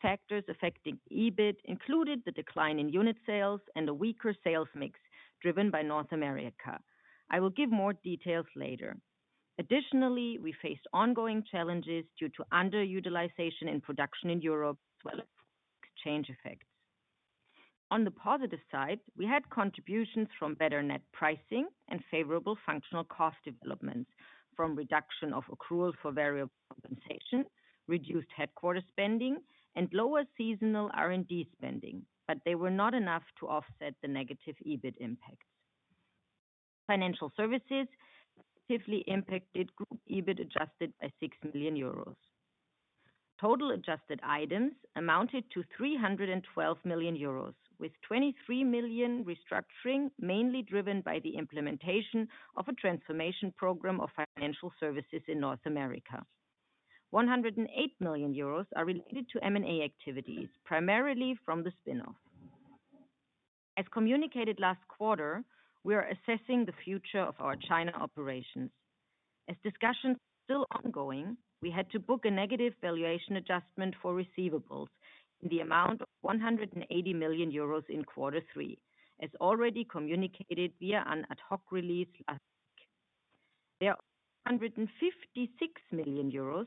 Key factors affecting EBIT included the decline in unit sales and a weaker sales mix driven by North America. I will give more details later. Additionally, we faced ongoing challenges due to underutilization in production in Europe as well as exchange effects. On the positive side, we had contributions from better net pricing and favorable functional cost developments, from reduction of accrual for variable compensation, reduced headquarters spending, and lower seasonal R&D spending, but they were not enough to offset the negative EBIT impacts. Financial Services significantly impacted group EBIT, adjusted by 6 million euros. Total adjusted items amounted to 312 million euros, with 23 million restructuring mainly driven by the implementation of a transformation program of Financial Services in North America. 108 million euros are related to M&A activities, primarily from the spin-off. As communicated last quarter, we are assessing the future of our China operations. As discussions are still ongoing, we had to book a negative valuation adjustment for receivables in the amount of 180 million euros in quarter three, as already communicated via an ad hoc release last week. There are 156 million euros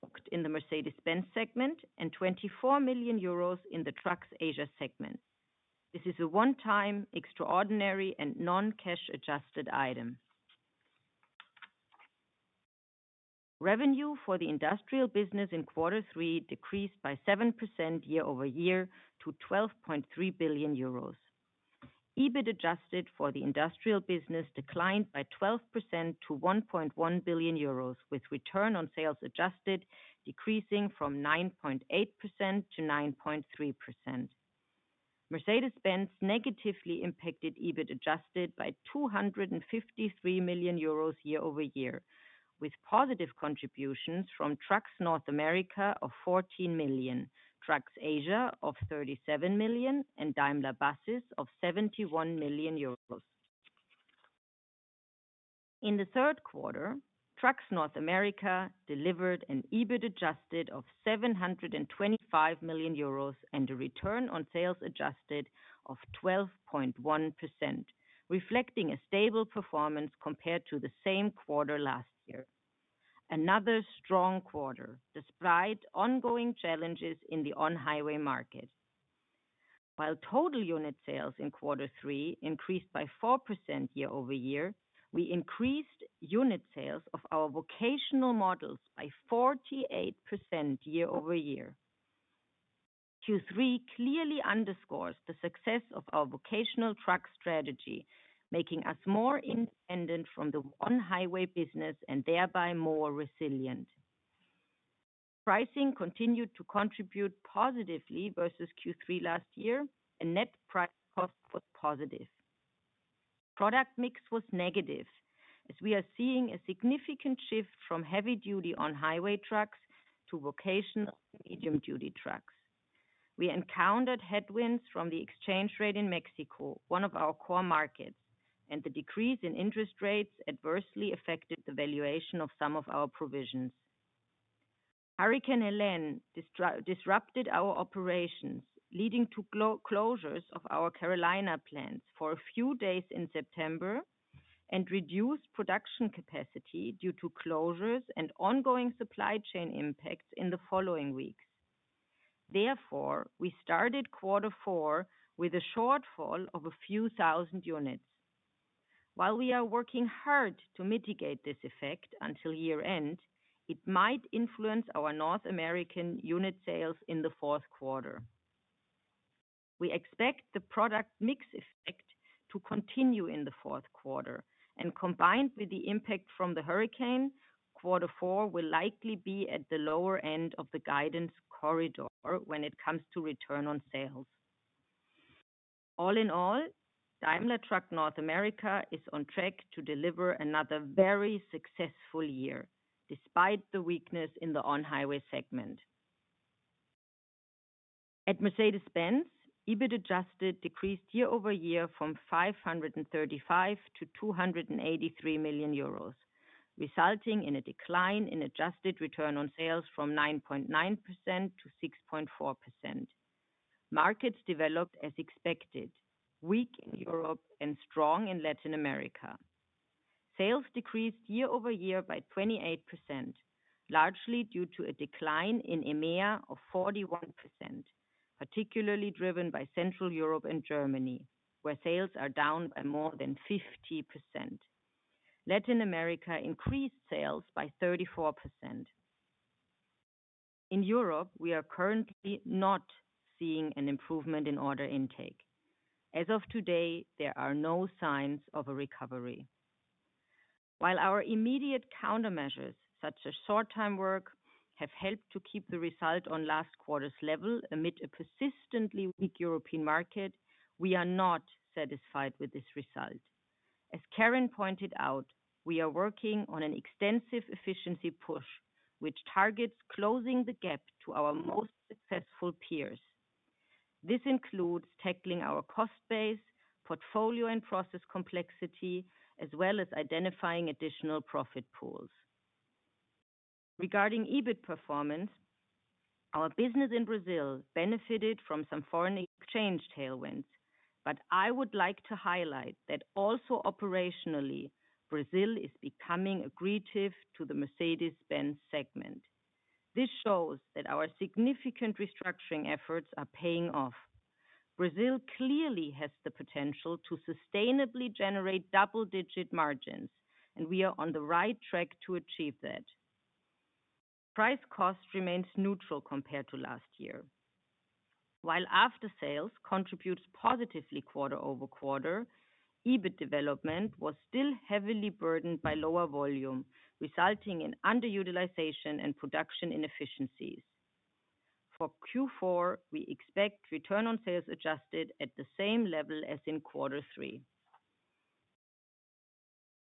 booked in the Mercedes-Benz segment and 24 million euros in the Trucks Asia segment. This is a one-time, extraordinary, and non-cash adjusted item. Revenue for the industrial business in quarter three decreased by 7% year-over-year to 12.3 billion euros. EBIT adjusted for the industrial business declined by 12% to 1.1 billion euros, with return on sales adjusted decreasing from 9.8%-9.3%. Mercedes-Benz negatively impacted EBIT adjusted by 253 million euros year-over-year, with positive contributions from Trucks North America of 14 million, Trucks Asia of 37 million, and Daimler Buses of 71 million euros. In the third quarter, Trucks North America delivered an adjusted EBIT of 725 million euros and an adjusted return on sales of 12.1%, reflecting a stable performance compared to the same quarter last year. Another strong quarter despite ongoing challenges in the on-highway market. While total unit sales in quarter three increased by 4% year-over-year, we increased unit sales of our vocational models by 48% year-over-year. quarter three clearly underscores the success of our vocational truck strategy, making us more independent from the on-highway business and thereby more resilient. Pricing continued to contribute positively versus Q3 last year, and net price cost was positive. Product mix was negative, as we are seeing a significant shift from heavy-duty on-highway trucks to vocational medium-duty trucks. We encountered headwinds from the exchange rate in Mexico, one of our core markets, and the decrease in interest rates adversely affected the valuation of some of our provisions. Hurricane Helene disrupted our operations, leading to closures of our Carolinas plants for a few days in September and reduced production capacity due to closures and ongoing supply chain impacts in the following weeks. Therefore, we started quarter four with a shortfall of a few thousand units. While we are working hard to mitigate this effect until year-end, it might influence our North American unit sales in the fourth quarter. We expect the product mix effect to continue in the fourth quarter, and combined with the impact from the hurricane, quarter four will likely be at the lower end of the guidance corridor when it comes to return on sales. All in all, Daimler Trucks North America is on track to deliver another very successful year, despite the weakness in the on-highway segment. At Mercedes-Benz, EBIT adjusted decreased year-over-year from 535 million-283 million euros, resulting in a decline in adjusted return on sales from 9.9%-6.4%. Markets developed as expected: weak in Europe and strong in Latin America. Sales decreased year-over-year by 28%, largely due to a decline in EMEA of 41%, particularly driven by Central Europe and Germany, where sales are down by more than 50%. Latin America increased sales by 34%. In Europe, we are currently not seeing an improvement in order intake. As of today, there are no signs of a recovery. While our immediate countermeasures, such as short-time work, have helped to keep the result on last quarter's level amid a persistently weak European market, we are not satisfied with this result. As Karin pointed out, we are working on an extensive efficiency push, which targets closing the gap to our most successful peers. This includes tackling our cost base, portfolio, and process complexity, as well as identifying additional profit pools. Regarding EBIT performance, our business in Brazil benefited from some foreign exchange tailwinds, but I would like to highlight that also operationally, Brazil is becoming accretive to the Mercedes-Benz segment. This shows that our significant restructuring efforts are paying off. Brazil clearly has the potential to sustainably generate double-digit margins, and we are on the right track to achieve that. Price cost remains neutral compared to last year. While after-sales contributes positively quarter-over-quarter, EBIT development was still heavily burdened by lower volume, resulting in underutilization and production inefficiencies. For Q4, we expect return on sales adjusted at the same level as in quarter three.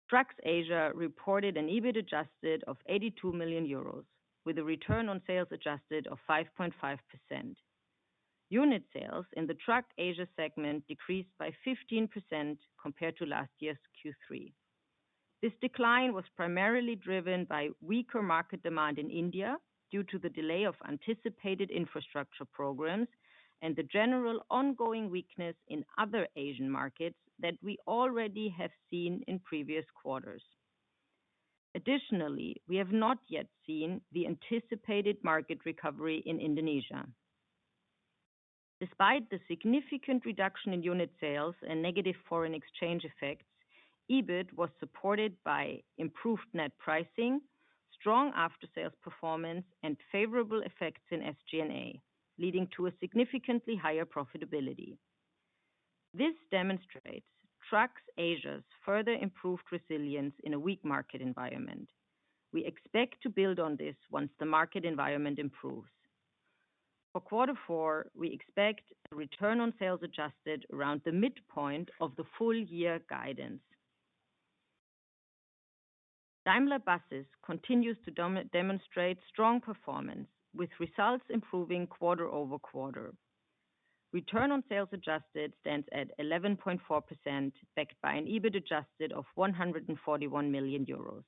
Trucks Asia reported an EBIT adjusted of 82 million euros, with a return on sales adjusted of 5.5%. Unit sales in the Truck Asia segment decreased by 15% compared to last year's Q3. This decline was primarily driven by weaker market demand in India due to the delay of anticipated infrastructure programs and the general ongoing weakness in other Asian markets that we already have seen in previous quarters. Additionally, we have not yet seen the anticipated market recovery in Indonesia. Despite the significant reduction in unit sales and negative foreign exchange effects, EBIT was supported by improved net pricing, strong after-sales performance, and favorable effects in SG&A, leading to a significantly higher profitability. This demonstrates Trucks Asia's further improved resilience in a weak market environment. We expect to build on this once the market environment improves. For quarter four, we expect a return on sales adjusted around the midpoint of the full-year guidance. Daimler Buses continues to demonstrate strong performance, with results improving quarter-over-quarter. Return on sales adjusted stands at 11.4%, backed by an EBIT adjusted of 141 million euros.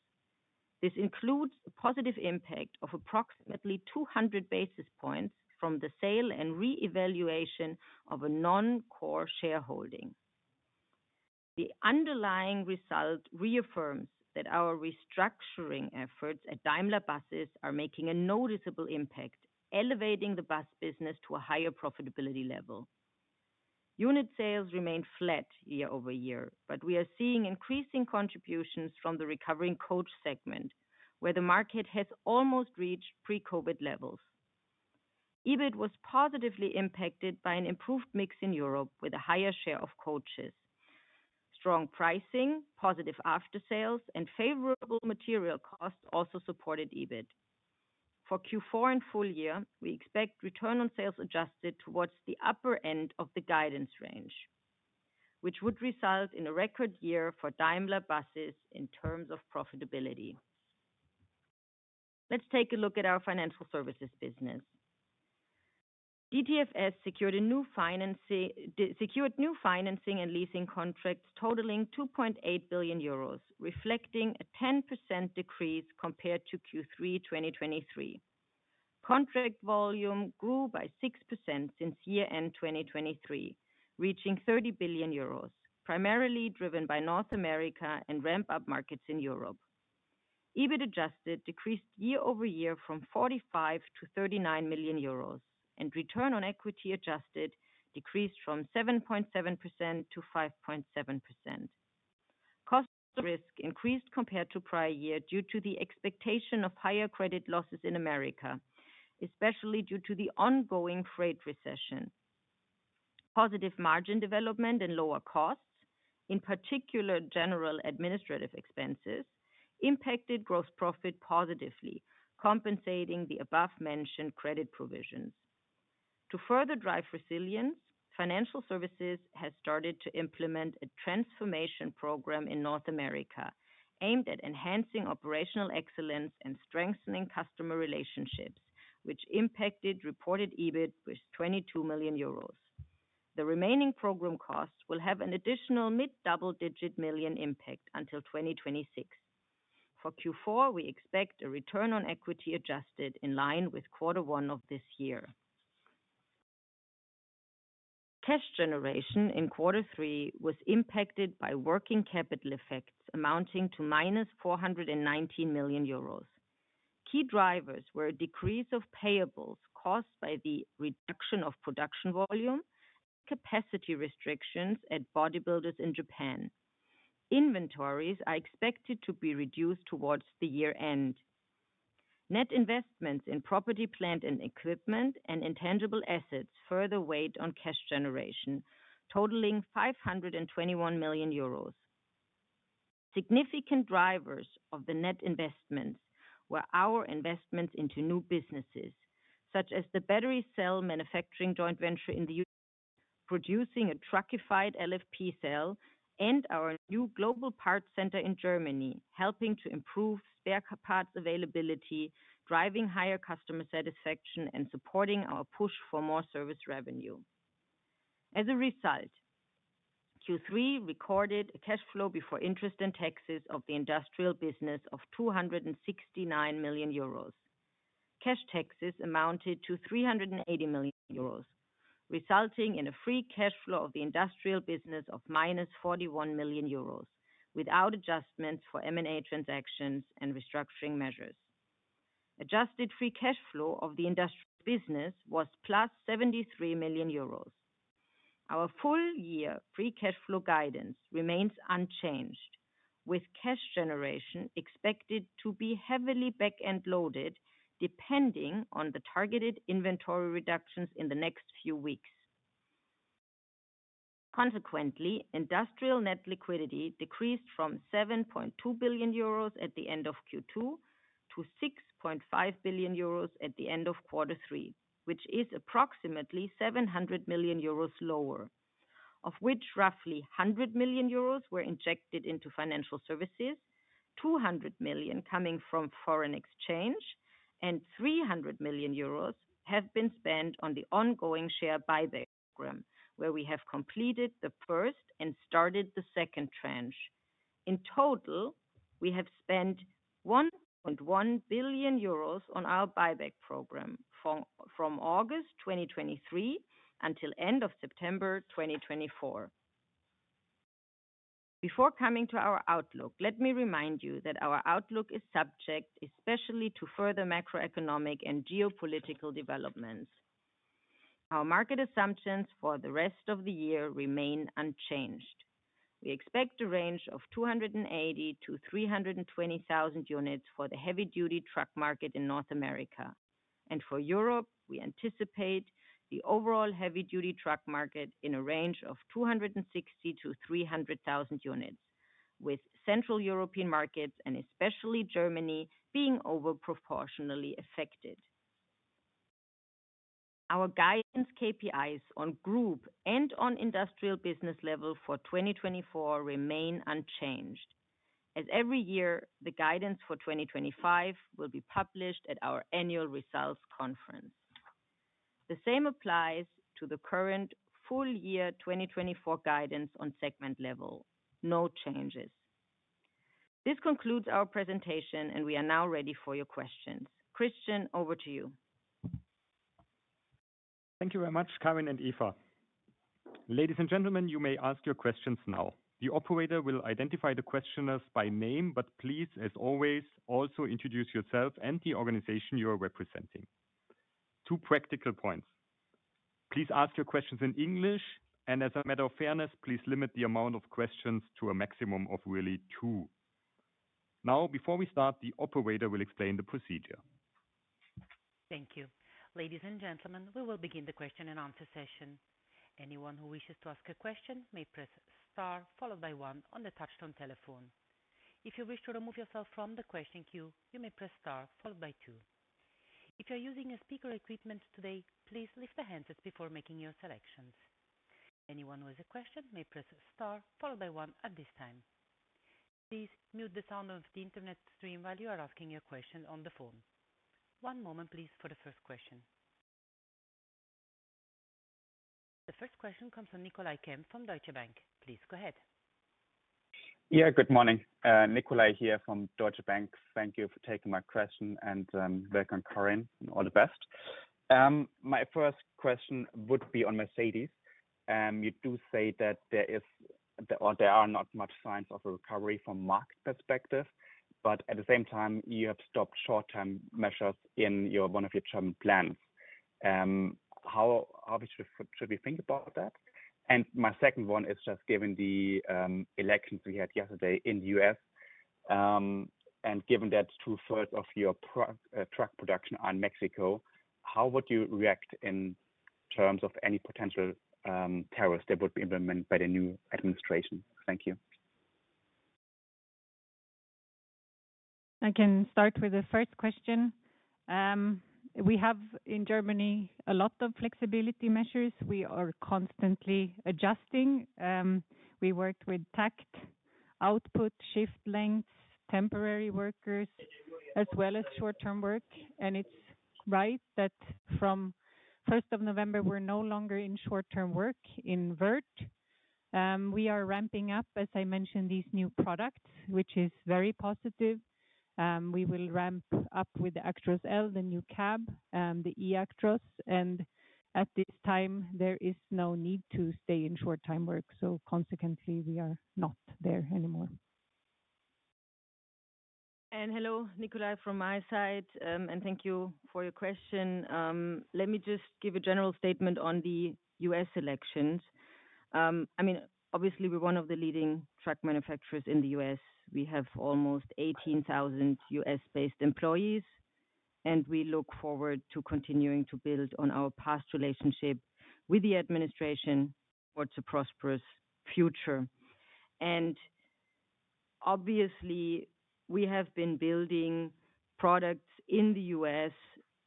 This includes a positive impact of approximately 200 basis points from the sale and revaluation of a non-core shareholding. The underlying result reaffirms that our restructuring efforts at Daimler Buses are making a noticeable impact, elevating the bus business to a higher profitability level. Unit sales remained flat year-over-year, but we are seeing increasing contributions from the recovering coach segment, where the market has almost reached pre-COVID levels. EBIT was positively impacted by an improved mix in Europe, with a higher share of coaches. Strong pricing, positive after-sales, and favorable material costs also supported EBIT. For Q4 and full year, we expect return on sales adjusted towards the upper end of the guidance range, which would result in a record year for Daimler Buses in terms of profitability. Let's take a look at our Financial Services business. DTFS secured new financing and leasing contracts totaling 2.8 billion euros, reflecting a 10% decrease compared to quarter three 2023. Contract volume grew by 6% since year-end 2023, reaching 30 billion euros, primarily driven by North America and ramp-up markets in Europe. EBIT adjusted decreased year-over-year from 45 million-39 million euros, and return on equity adjusted decreased from 7.7%-5.7%. Cost risk increased compared to prior year due to the expectation of higher credit losses in America, especially due to the ongoing freight recession. Positive margin development and lower costs, in particular general administrative expenses, impacted gross profit positively, compensating the above-mentioned credit provisions. To further drive resilience, Financial Services has started to implement a transformation program in North America aimed at enhancing operational excellence and strengthening customer relationships, which impacted reported EBIT with 22 million euros. The remaining program costs will have an additional mid-double-digit million impact until 2026. For Q4, we expect a return on equity adjusted in line with quarter one of this year. Cash generation in quarter three was impacted by working capital effects amounting to 419 million euros. Key drivers were a decrease of payables caused by the reduction of production volume and capacity restrictions at bodybuilders in Japan. Inventories are expected to be reduced towards the year-end. Net investments in property plant and equipment and intangible assets further weighed on cash generation, totaling 521 million euros. Significant drivers of the net investments were our investments into new businesses, such as the battery cell manufacturing joint venture in the U.S., producing a truckified LFP cell, and our new global parts center in Germany, helping to improve spare parts availability, driving higher customer satisfaction, and supporting our push for more service revenue. As a result, quarter three recorded a cash flow before interest and taxes of the industrial business of 269 million euros. Cash taxes amounted to 380 million euros, resulting in a free cash flow of the industrial business of -41 million euros, without adjustments for M&A transactions and restructuring measures. Adjusted free cash flow of the industrial business was +73 million euros. Our full-year free cash flow guidance remains unchanged, with cash generation expected to be heavily back-end loaded, depending on the targeted inventory reductions in the next few weeks. Consequently, industrial net liquidity decreased from 7.2 billion euros at the end of Q2 to 6.5 billion euros at the end of quarter three, which is approximately 700 million euros lower, of which roughly 100 million euros were injected into Financial Services, 200 million coming from foreign exchange, and 300 million euros have been spent on the ongoing share buyback program, where we have completed the first and started the second tranche. In total, we have spent 1.1 billion euros on our buyback program from August 2023 until the end of September 2024. Before coming to our outlook, let me remind you that our outlook is subject especially to further macroeconomic and geopolitical developments. Our market assumptions for the rest of the year remain unchanged. We expect a range of 280,000 units-320,000 units for the heavy-duty truck market in North America, and for Europe, we anticipate the overall heavy-duty truck market in a range of 260,000 units-300,000 units, with Central European markets and especially Germany being overproportionally affected. Our guidance KPIs on group and on industrial business level for 2024 remain unchanged, as every year the guidance for 2025 will be published at our annual results conference. The same applies to the current full-year 2024 guidance on segment level. No changes. This concludes our presentation, and we are now ready for your questions. Christian, over to you. Thank you very much, Karin and Eva. Ladies and gentlemen, you may ask your questions now. The operator will identify the questioners by name, but please, as always, also introduce yourself and the organization you are representing. Two practical points. Please ask your questions in English, and as a matter of fairness, please limit the amount of questions to a maximum of really two. Now, before we start, the operator will explain the procedure. Thank you. Ladies and gentlemen, we will begin the question and answer session. Anyone who wishes to ask a question may press star followed by one on the touch-tone telephone. If you wish to remove yourself from the question queue, you may press star followed by two. If you are using speaker equipment today, please pick up the handset before making your selections. Anyone who has a question may press star followed by one at this time. Please mute the sound of the internet stream while you are asking your question on the phone. One moment, please, for the first question. The first question comes from Nicolai Kempf from Deutsche Bank. Please go ahead. Yeah, good morning. Nikolai here from Deutsche Bank. Thank you for taking my question, and welcome, Karin, and all the best. My first question would be on Mercedes. You do say that there are not much signs of a recovery from a market perspective, but at the same time, you have stopped short-term measures in one of your plants. How should we think about that? And my second one is just given the elections we had yesterday in the U.S., and given that two-thirds of your truck production are in Mexico, how would you react in terms of any potential tariffs that would be implemented by the new administration? Thank you. I can start with the first question. We have in Germany a lot of flexibility measures. We are constantly adjusting. We worked with takt output shift lengths, temporary workers, as well as short-time work. And it's right that from 1st November, we're no longer in short-time work in Wörth. We are ramping up, as I mentioned, these new products, which is very positive. We will ramp up with the Actros L, the new cab, the eActros. And at this time, there is no need to stay in short-time work. So consequently, we are not there anymore. And hello, Nikolai from my side, and thank you for your question. Let me just give a general statement on the U.S. elections. I mean, obviously, we're one of the leading truck manufacturers in the U.S. We have almost 18,000 U.S.-based employees, and we look forward to continuing to build on our past relationship with the administration towards a prosperous future. Obviously, we have been building products in the U.S.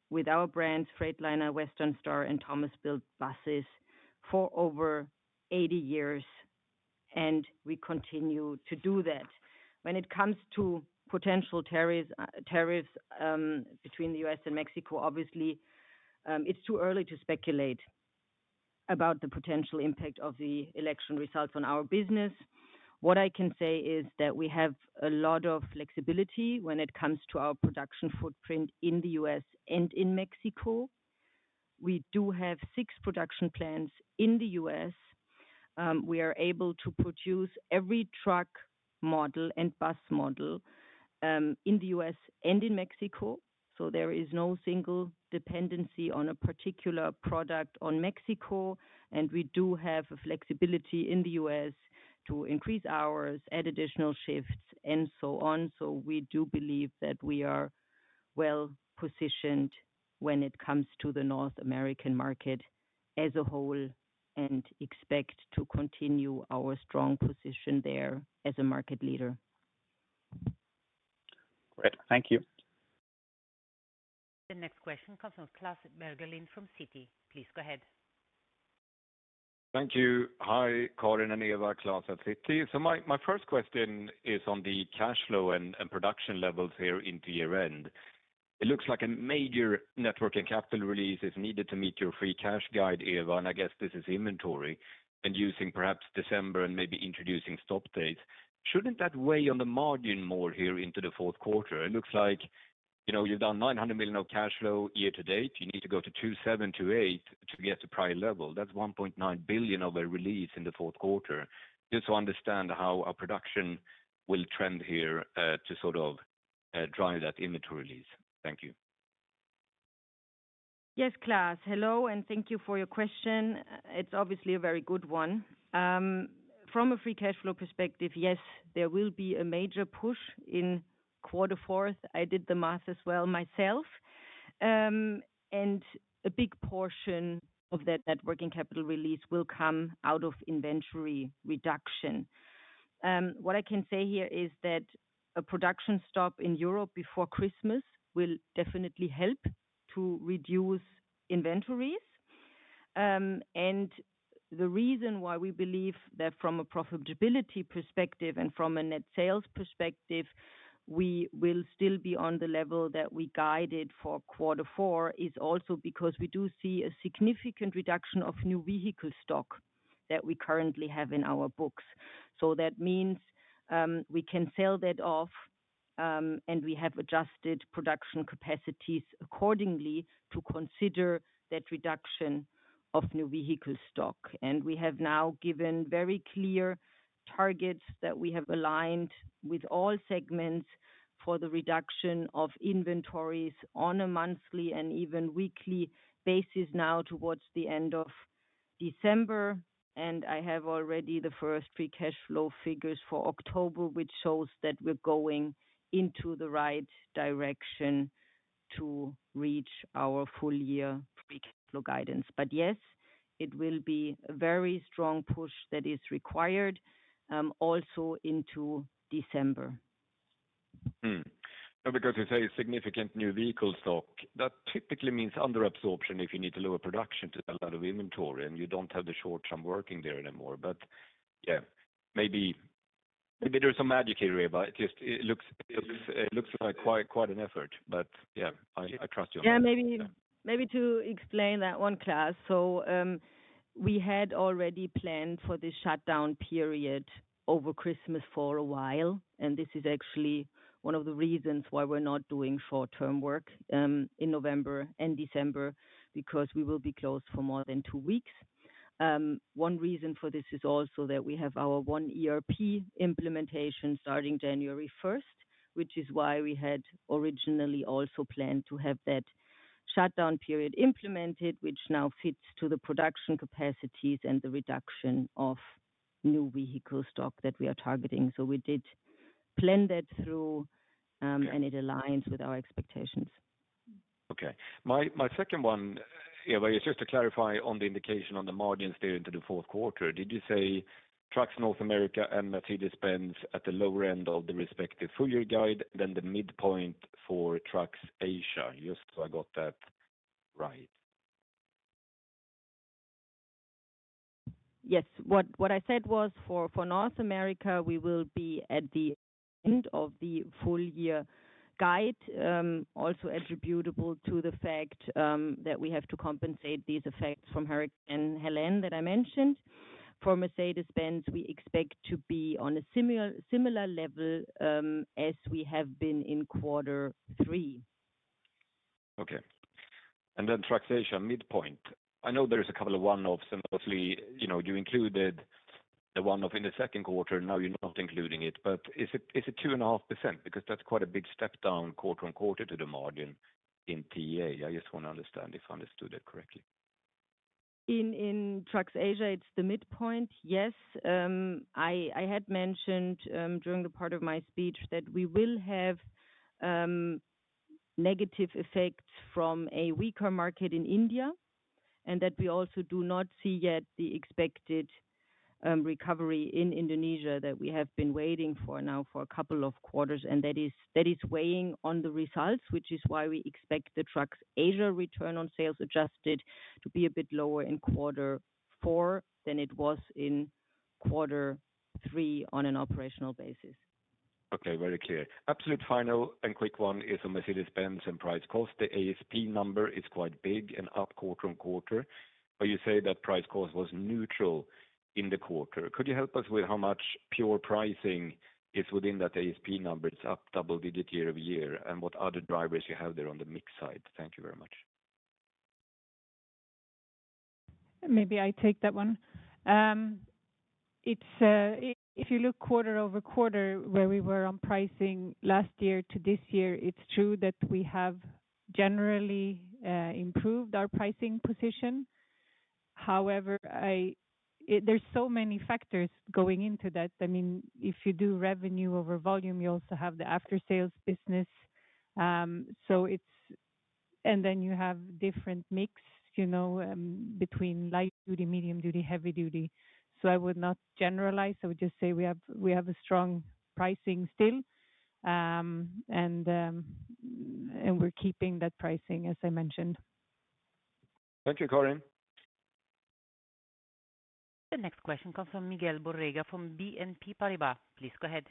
with our brands, Freightliner, Western Star, and Thomas Built Buses, for over 80 years, and we continue to do that. When it comes to potential tariffs between the U.S. and Mexico, obviously, it's too early to speculate about the potential impact of the election results on our business. What I can say is that we have a lot of flexibility when it comes to our production footprint in the U.S. and in Mexico. We do have six production plants in the U.S. We are able to produce every truck model and bus model in the U.S. and in Mexico. So there is no single dependency on a particular product in Mexico, and we do have flexibility in the U.S. to increase hours, add additional shifts, and so on. So we do believe that we are well positioned when it comes to the North American market as a whole and expect to continue our strong position there as a market leader. Great. Thank you. The next question comes from Klas Bergelind from Citi. Please go ahead. Thank you. Hi, Karin and Eva, Klas at Citi. So my first question is on the cash flow and production levels here into year-end. It looks like a major net working capital release is needed to meet your free cash guide, Eva, and I guess this is inventory, and using perhaps December and maybe introducing stop dates. Shouldn't that weigh on the margin more here into the fourth quarter? It looks like you've done 900 million of cash flow year to date. You need to go to 2.7 billion-2.8 billion to get to prior level. That's 1.9 billion of a release in the fourth quarter. Just to understand how our production will trend here to sort of drive that inventory release. Thank you. Yes, Klaus. Hello, and thank you for your question. It's obviously a very good one. From a free cash flow perspective, yes, there will be a major push in quarter four. I did the math as well myself. And a big portion of that net working capital release will come out of inventory reduction. What I can say here is that a production stop in Europe before Christmas will definitely help to reduce inventories. And the reason why we believe that from a profitability perspective and from a net sales perspective, we will still be on the level that we guided for quarter four is also because we do see a significant reduction of new vehicle stock that we currently have in our books. So that means we can sell that off, and we have adjusted production capacities accordingly to consider that reduction of new vehicle stock. And we have now given very clear targets that we have aligned with all segments for the reduction of inventories on a monthly and even weekly basis now towards the end of December. And I have already the first free cash flow figures for October, which shows that we're going into the right direction to reach our full-year free cash flow guidance. But yes, it will be a very strong push that is required also into December. That's because it's a significant new vehicle stock. That typically means underabsorption if you need to lower production to a lot of inventory and you don't have the short-time work there anymore. But yeah, maybe there's some magic here, Eva. It looks like quite an effort, but yeah, I trust you. Yeah, maybe to explain that one, Klaus. So we had already planned for the shutdown period over Christmas for a while, and this is actually one of the reasons why we're not doing short-term work in November and December because we will be closed for more than two weeks. One reason for this is also that we have our one ERP implementation starting January 1st, which is why we had originally also planned to have that shutdown period implemented, which now fits to the production capacities and the reduction of new vehicle stock that we are targeting. So we did plan that through, and it aligns with our expectations. Okay. My second one, Eva, is just to clarify on the indication on the margins there into the fourth quarter. Did you say Trucks North America and Mercedes-Benz at the lower end of the respective full-year guide, then the midpoint for Trucks Asia? Just so I got that right. Yes. What I said was for North America, we will be at the end of the full-year guide, also attributable to the fact that we have to compensate these effects from Hurricane Helene that I mentioned. For Mercedes-Benz, we expect to be on a similar level as we have been in quarter three. Okay. And then Trucks Asia, midpoint. I know there's a couple of one-offs. And obviously, you included the one-off in the second quarter. Now you're not including it. But is it 2.5%? Because that's quite a big step down quarter-on-quarter to the margin in Trucks Asia. I just want to understand if I understood that correctly. In Trucks Asia, it's the midpoint. Yes. I had mentioned during the part of my speech that we will have negative effects from a weaker market in India and that we also do not see yet the expected recovery in Indonesia that we have been waiting for now for a couple of quarters. And that is weighing on the results, which is why we expect the Trucks Asia return on sales adjusted to be a bit lower in quarter four than it was in quarter three on an operational basis. Okay. Very clear. Absolutely final and quick one is on Mercedes-Benz and Price/Cost. The ASP number is quite big and up quarter-on-quarter, but you say that Price/Cost was neutral in the quarter. Could you help us with how much pure pricing is within that ASP number? It's up double-digit year-over-year. And what other drivers you have there on the mix side? Thank you very much. Maybe I take that one. If you look quarter-over-quarter, where we were on pricing last year to this year, it's true that we have generally improved our pricing position. However, there's so many factors going into that. I mean, if you do revenue over volume, you also have the after-sales business. And then you have different mix between light duty, medium duty, heavy duty. So I would not generalize. I would just say we have a strong pricing still, and we're keeping that pricing, as I mentioned. Thank you, Karin. The next question comes from Miguel Borrega from BNP Paribas. Please go ahead.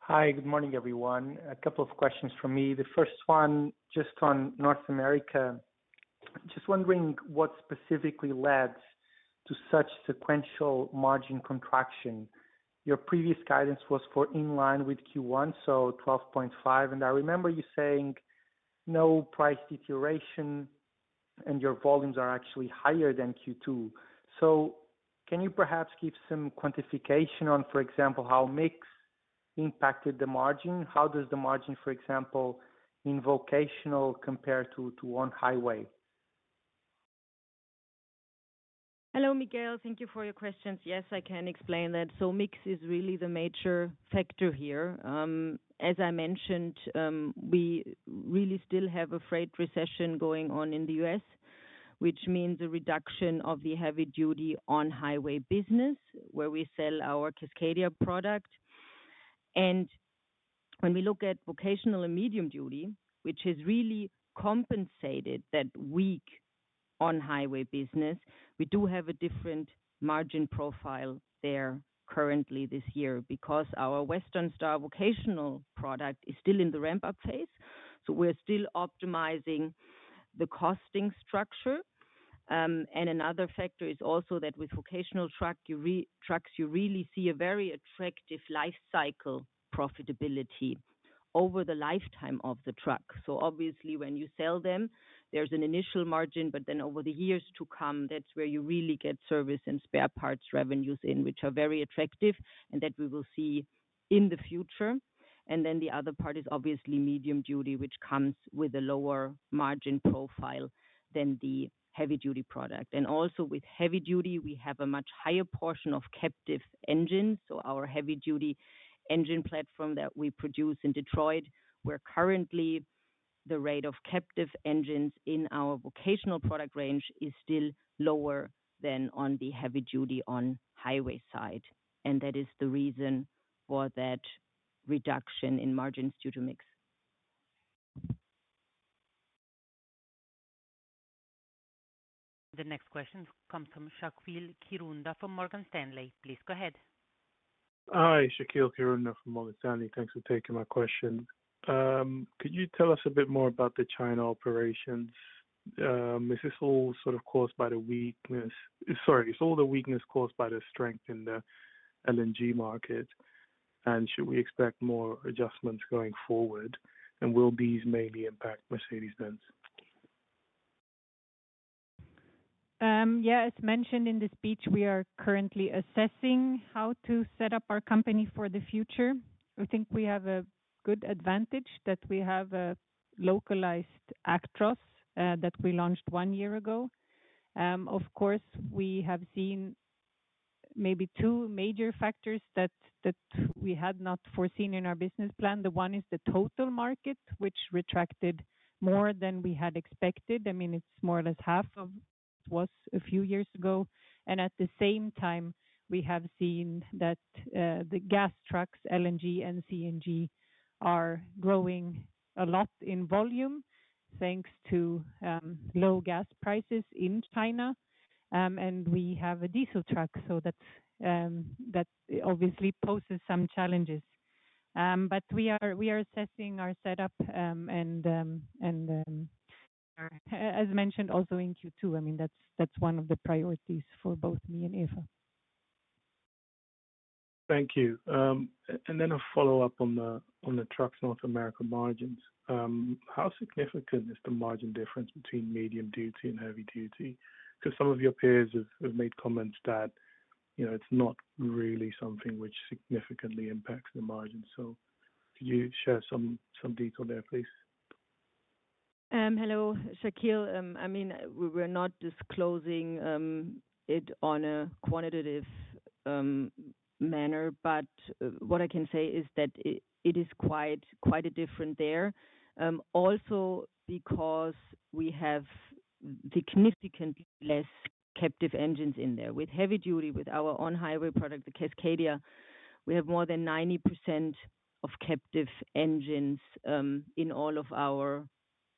Hi, good morning, everyone. A couple of questions for me. The first one just on North America. Just wondering what specifically led to such sequential margin contraction. Your previous guidance was for in line with Q1, so 12.5%. I remember you saying no price deterioration, and your volumes are actually higher than Q2. So can you perhaps give some quantification on, for example, how mix impacted the margin? How does the margin, for example, in vocational compare to on-highway? Hello, Miguel. Thank you for your questions. Yes, I can explain that. So mix is really the major factor here. As I mentioned, we really still have a freight recession going on in the U.S., which means a reduction of the heavy-duty on-highway business where we sell our Cascadia product. And when we look at vocational and medium-duty, which has really compensated that weak on-highway business, we do have a different margin profile there currently this year because our Western Star vocational product is still in the ramp-up phase. So we're still optimizing the costing structure. And another factor is also that with vocational trucks, you really see a very attractive lifecycle profitability over the lifetime of the truck. So obviously, when you sell them, there is an initial margin, but then over the years to come, that is where you really get service and spare parts revenues in, which are very attractive and that we will see in the future. And then the other part is obviously medium-duty, which comes with a lower margin profile than the heavy-duty product. And also with heavy-duty, we have a much higher portion of captive engines. So our heavy-duty engine platform that we produce in Detroit, where currently the rate of captive engines in our vocational product range is still lower than on the heavy-duty on-highway side. And that is the reason for that reduction in margins due to mix. The next question comes from Shaqeal Kirunda from Morgan Stanley. Please go ahead. Hi, Shaqeal Kirunda from Morgan Stanley. Thanks for taking my question. Could you tell us a bit more about the China operations? Is this all sort of caused by the weakness? Sorry, is all the weakness caused by the strength in the LNG market? And should we expect more adjustments going forward? And will these mainly impact Mercedes-Benz? Yeah, as mentioned in the speech, we are currently assessing how to set up our company for the future. I think we have a good advantage that we have a localized Actros that we launched one year ago. Of course, we have seen maybe two major factors that we had not foreseen in our business plan. The one is the total market, which retracted more than we had expected. I mean, it's more or less half of what it was a few years ago. And at the same time, we have seen that the gas trucks, LNG and CNG, are growing a lot in volume thanks to low gas prices in China. And we have a diesel truck, so that obviously poses some challenges. But we are assessing our setup, and as mentioned, also in Q2. I mean, that's one of the priorities for both me and Eva. Thank you. And then a follow-up on the Trucks North America margins. How significant is the margin difference between medium duty and heavy duty? Because some of your peers have made comments that it's not really something which significantly impacts the margin. So could you share some detail there, please? Hello, Shaqeal. I mean, we're not disclosing it on a quantitative manner, but what I can say is that it is quite different there. Also because we have significantly less captive engines in there. With heavy-duty, with our on-highway product, the Cascadia, we have more than 90% of captive engines in all of our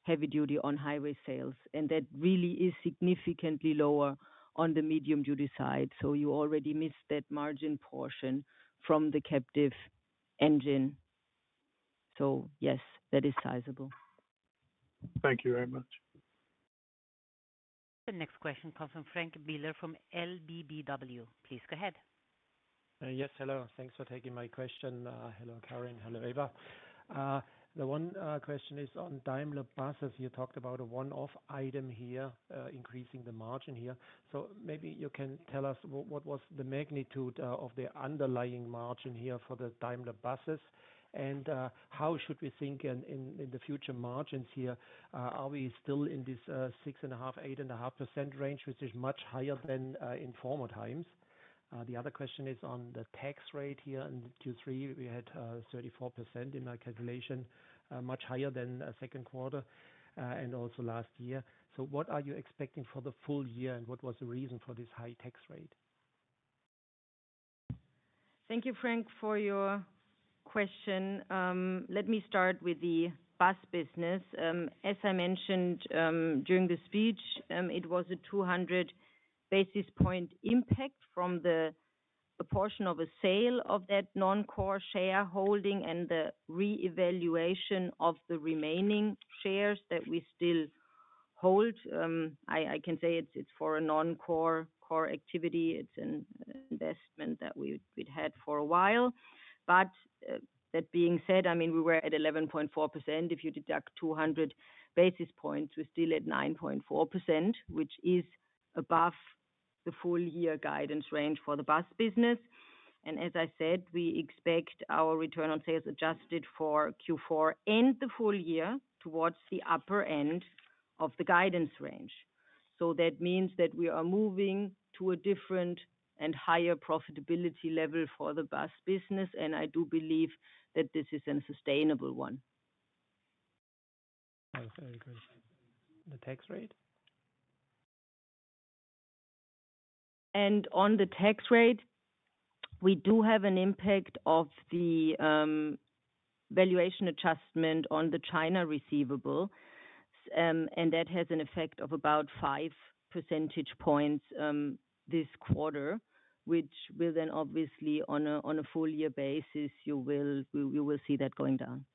heavy-duty on-highway sales. And that really is significantly lower on the medium-duty side. So you already missed that margin portion from the captive engine. So yes, that is sizable. Thank you very much. The next question comes from Frank Biller from LBBW. Please go ahead. Yes, hello. Thanks for taking my question. Hello, Karin. Hello, Eva. The one question is on Daimler Buses. You talked about a one-off item here, increasing the margin here. So maybe you can tell us what was the magnitude of the underlying margin here for the Daimler Buses? And how should we think in the future margins here? Are we still in this 6.5%-8.5% range, which is much higher than in former times? The other question is on the tax rate here in quarter three. We had 34% in my calculation, much higher than second quarter and also last year. So what are you expecting for the full year? And what was the reason for this high tax rate? Thank you, Frank, for your question. Let me start with the bus business. As I mentioned during the speech, it was a 200 basis points impact from the proportion of a sale of that non-core shareholding and the re-evaluation of the remaining shares that we still hold. I can say it's for a non-core activity. It's an investment that we've had for a while. But that being said, I mean, we were at 11.4%. If you deduct 200 basis points, we're still at 9.4%, which is above the full-year guidance range for the bus business. And as I said, we expect our return on sales adjusted for Q4 and the full year towards the upper end of the guidance range. So that means that we are moving to a different and higher profitability level for the bus business. And I do believe that this is a sustainable one. Very good. The tax rate? And on the tax rate, we do have an impact of the valuation adjustment on the China receivable. And that has an effect of about five percentage points this quarter, which will then obviously, on a full-year basis, you will see that going down.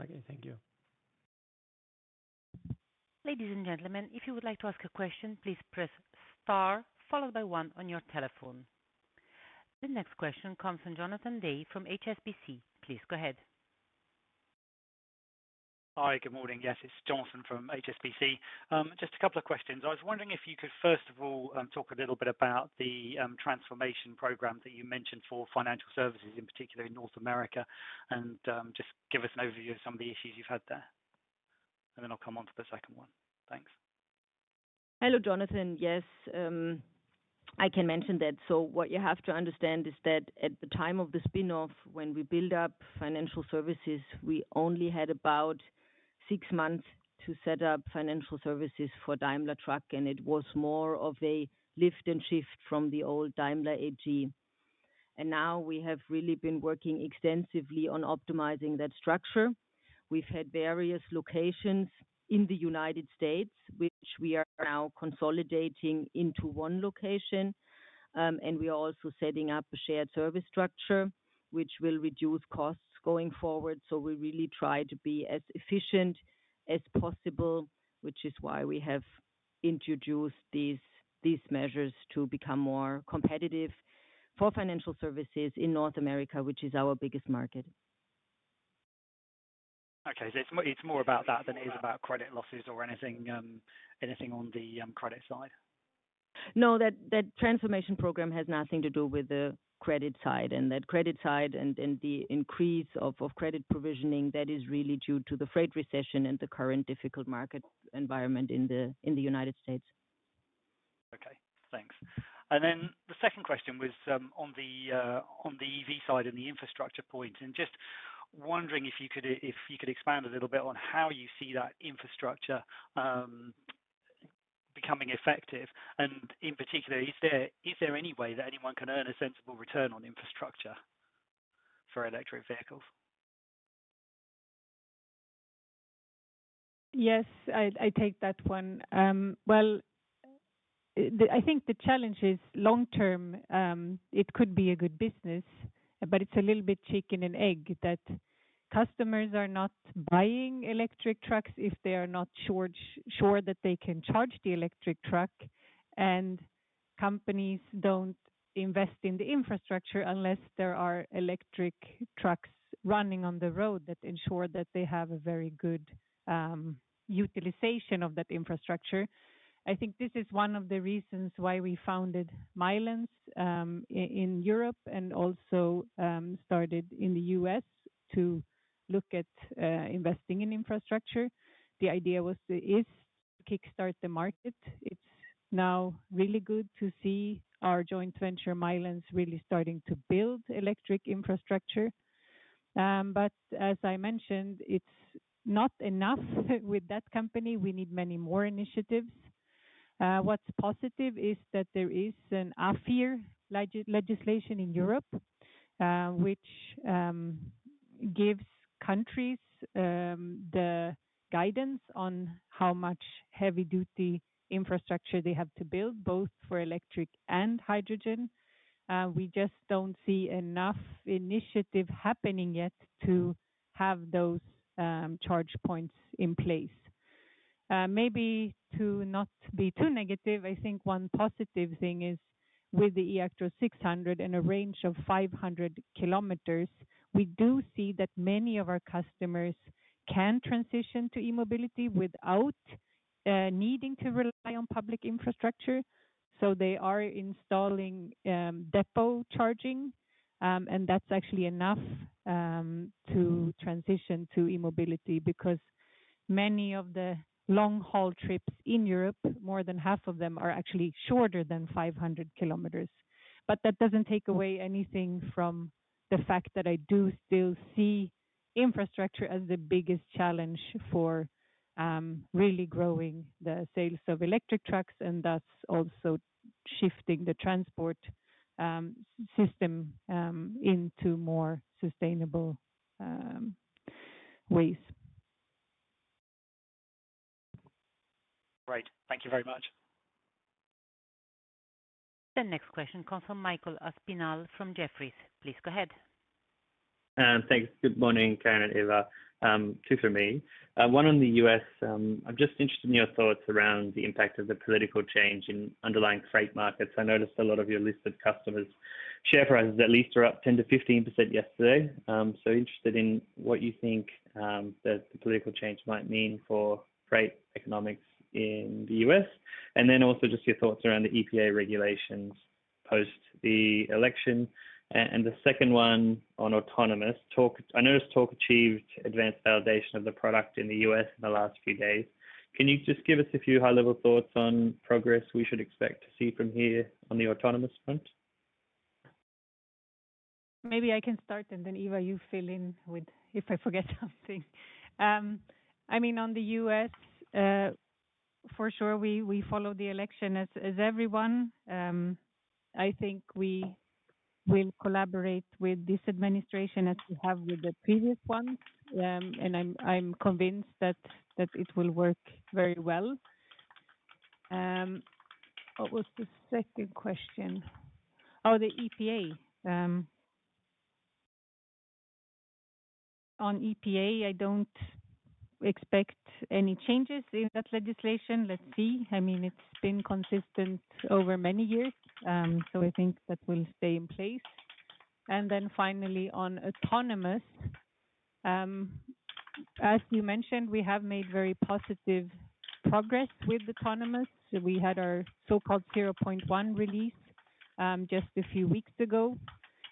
Okay, thank you. Ladies and gentlemen, if you would like to ask a question, please press star followed by one on your telephone. The next question comes from Jonathan Day from HSBC. Please go ahead. Hi, good morning. Yes, it's Jonathan from HSBC. Just a couple of questions. I was wondering if you could, first of all, talk a little bit about the transformation program that you mentioned for Financial Services, in particular in North America, and just give us an overview of some of the issues you've had there. And then I'll come on to the second one. Thanks. Hello, Jonathan. Yes, I can mention that. So what you have to understand is that at the time of the spin-off, when we built up Financial Services, we only had about six months to set up Financial Services for Daimler Truck. And it was more of a lift and shift from the old Daimler AG. And now we have really been working extensively on optimizing that structure. We've had various locations in the United States, which we are now consolidating into one location. And we are also setting up a shared service structure, which will reduce costs going forward. So we really try to be as efficient as possible, which is why we have introduced these measures to become more competitive for Financial Services in North America, which is our biggest market. Okay. So it's more about that than it is about credit losses or anything on the credit side? No, that transformation program has nothing to do with the credit side. And that credit side and the increase of credit provisioning, that is really due to the freight recession and the current difficult market environment in the United States. Okay. Thanks. And then the second question was on the EV side and the infrastructure point. Just wondering if you could expand a little bit on how you see that infrastructure becoming effective. In particular, is there any way that anyone can earn a sensible return on infrastructure for electric vehicles? Yes, I take that one. Well, I think the challenge is long-term, it could be a good business, but it's a little bit chicken and egg that customers are not buying electric trucks if they are not sure that they can charge the electric truck. Companies don't invest in the infrastructure unless there are electric trucks running on the road that ensure that they have a very good utilization of that infrastructure. I think this is one of the reasons why we founded Milence in Europe and also started in the U.S. to look at investing in infrastructure. The idea was to kickstart the market. It's now really good to see our joint venture Milence really starting to build electric infrastructure. But as I mentioned, it's not enough with that company. We need many more initiatives. What's positive is that there is an AFIR legislation in Europe, which gives countries the guidance on how much heavy-duty infrastructure they have to build, both for electric and hydrogen. We just don't see enough initiative happening yet to have those charge points in place. Maybe to not be too negative, I think one positive thing is with the eActros 600 and a range of 500 km, we do see that many of our customers can transition to eMobility without needing to rely on public infrastructure. So they are installing depot charging. And that's actually enough to transition to e-mobility because many of the long-haul trips in Europe, more than 1/2 of them are actually shorter than 500 km. But that doesn't take away anything from the fact that I do still see infrastructure as the biggest challenge for really growing the sales of electric trucks and thus also shifting the transport system into more sustainable ways. Great. Thank you very much. The next question comes from Michael Aspinall from Jefferies. Please go ahead. Thanks. Good morning, Karin and Eva. Two for me. One on the U.S. I'm just interested in your thoughts around the impact of the political change in underlying freight markets. I noticed a lot of your listed customers' share prices at least were up 10%-15% yesterday. So interested in what you think that the political change might mean for freight economics in the U.S. And then also just your thoughts around the EPA regulations post the election. And the second one on autonomous. I noticed Torc achieved advanced validation of the product in the U.S. in the last few days. Can you just give us a few high-level thoughts on progress we should expect to see from here on the autonomous front? Maybe I can start, and then Eva, you fill in if I forget something. I mean, on the U.S., for sure, we follow the election as everyone. I think we will collaborate with this administration as we have with the previous ones. And I'm convinced that it will work very well. What was the second question? Oh, the EPA. On EPA, I don't expect any changes in that legislation. Let's see. I mean, it's been consistent over many years. So I think that will stay in place. And then finally, on autonomous, as you mentioned, we have made very positive progress with autonomous. We had our so-called 0.1 release just a few weeks ago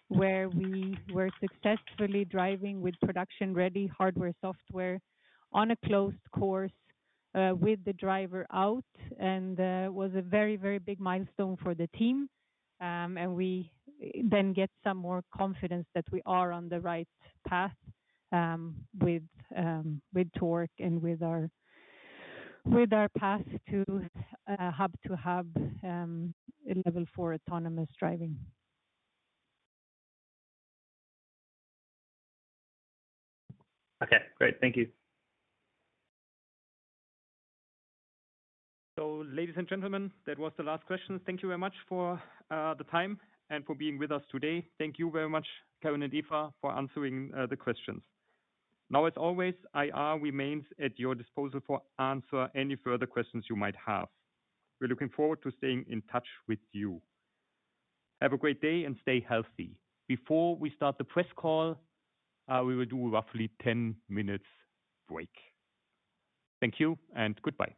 where we were successfully driving with production-ready hardware software on a closed course with the driver out. And it was a very, very big milestone for the team. And we then get some more confidence that we are on the right path with Torc and with our path to hub-to-hub level for autonomous driving. Okay. Great. Thank you. So ladies and gentlemen, that was the last question. Thank you very much for the time and for being with us today. Thank you very much, Karin and Eva, for answering the questions. Now, as always, IR remains at your disposal for answering any further questions you might have. We're looking forward to staying in touch with you. Have a great day and stay healthy. Before we start the press call, we will do roughly 10 minutes break. Thank you and goodbye.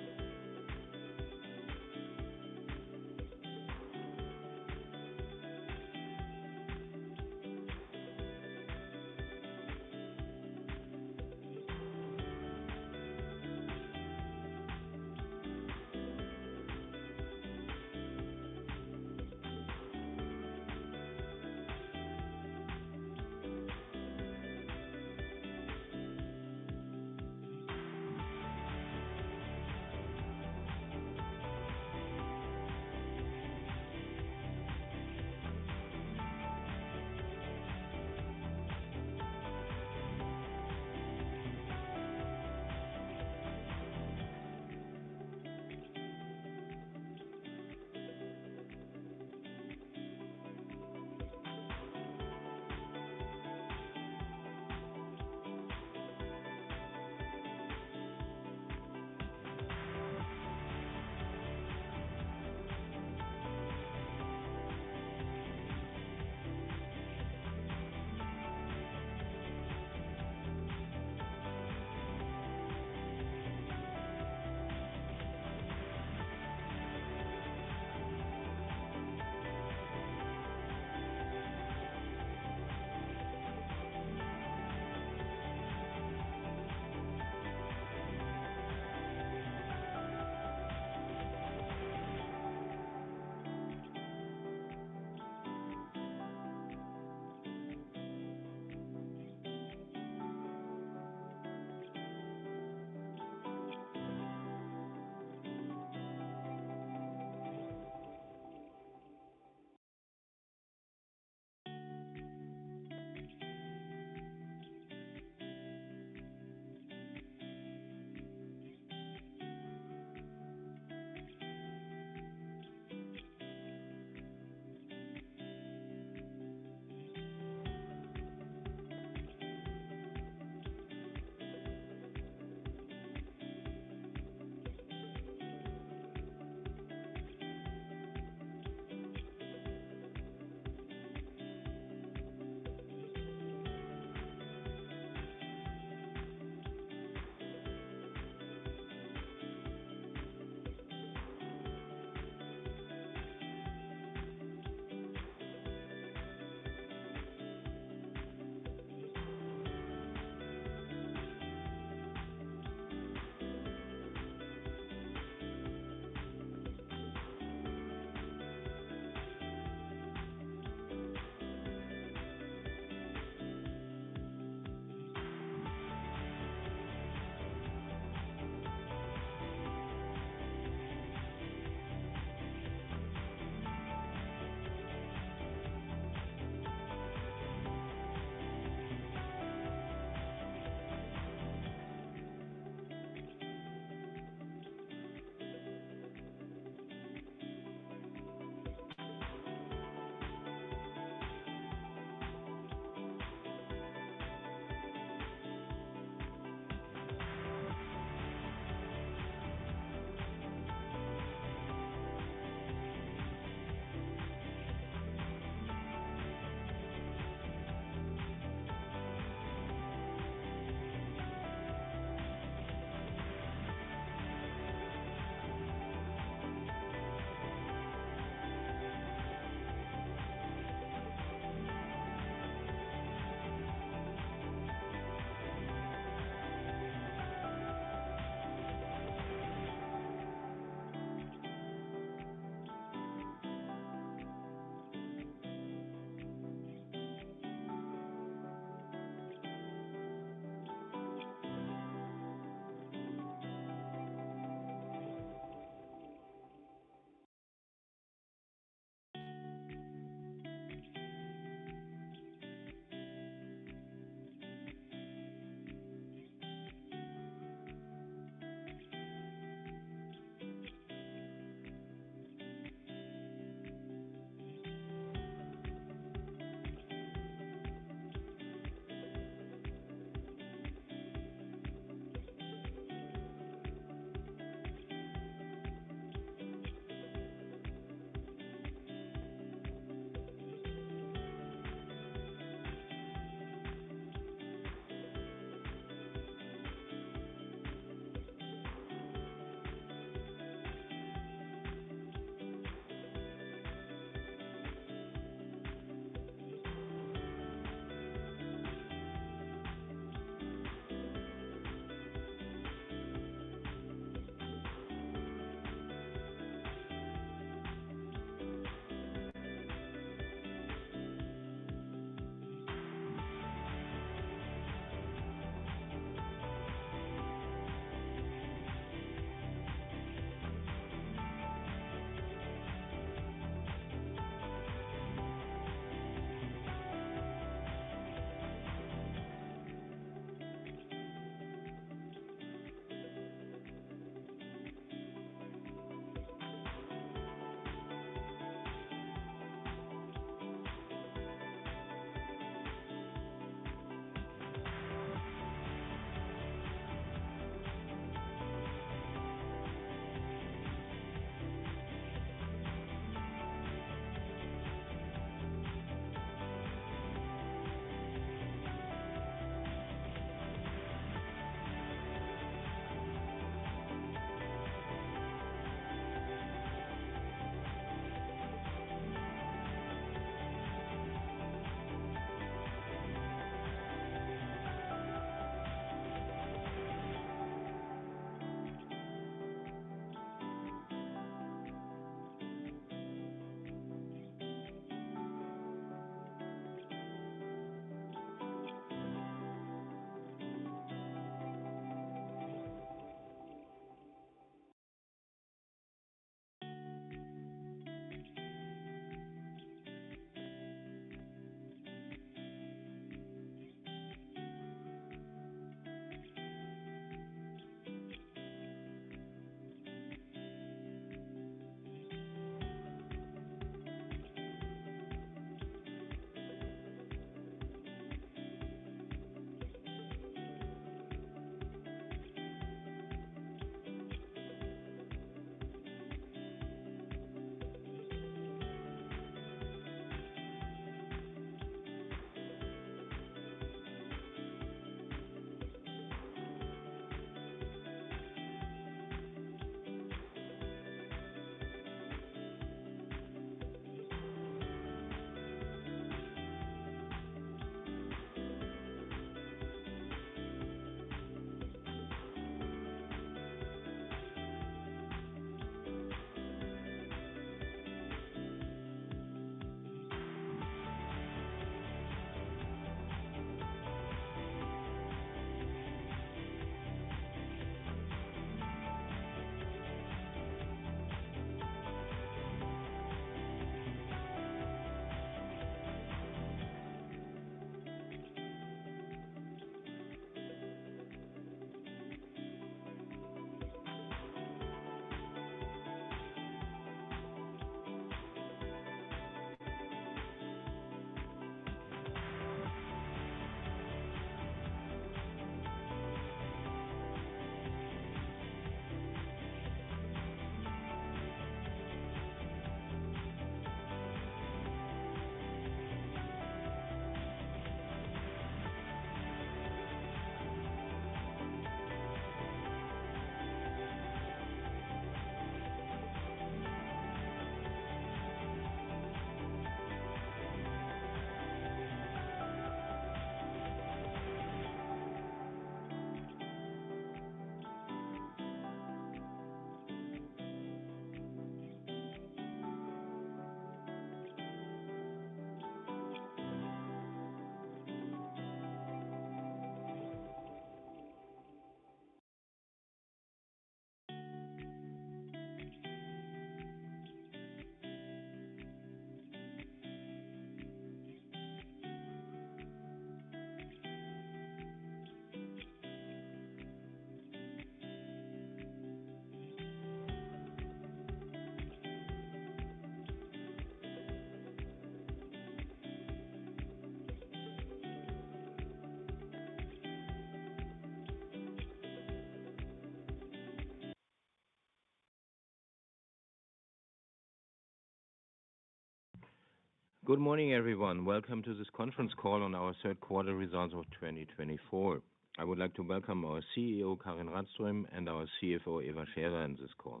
Good morning, everyone. Welcome to this conference call on our third quarter results of 2024. I would like to welcome our CEO, Karin Rådström, and our CFO, Eva Scherer, in this call.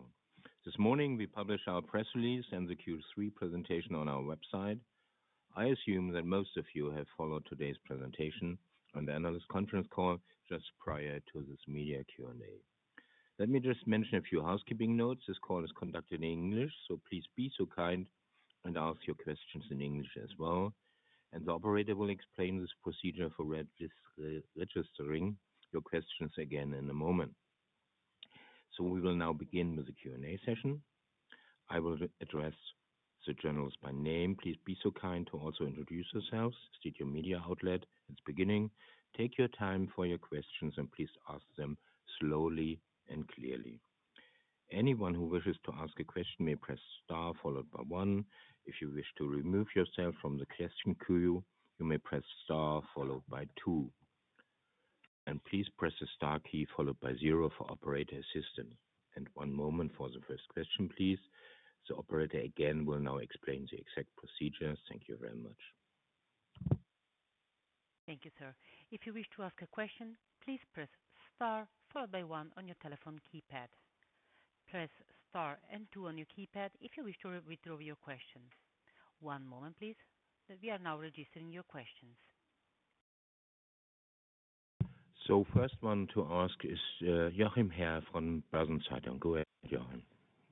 This morning, we published our press release and the quarter three presentation on our website. I assume that most of you have followed today's presentation on the end of this conference call just prior to this media Q&A. Let me just mention a few housekeeping notes. This call is conducted in English, so please be so kind and ask your questions in English as well. And the operator will explain this procedure for registering your questions again in a moment. So we will now begin with the Q&A session. I will address the journalists by name. Please be so kind to also introduce yourselves. State your media outlet at the beginning. Take your time for your questions, and please ask them slowly and clearly. Anyone who wishes to ask a question may press star followed by one. If you wish to remove yourself from the question queue, you may press star followed by two. And please press the star key followed by zero for operator assistance. And one moment for the first question, please. The operator again will now explain the exact procedures. Thank you very much. Thank you, sir. If you wish to ask a question, please press star followed by one on your telephone keypad. Press star and two on your keypad if you wish to withdraw your question. One moment, please. We are now registering your questions. So first one to ask is Joachim Herr from Börsen-Zeitung. Go ahead, Joachim.